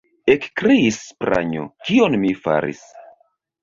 ekkriis Pranjo: kion mi faris?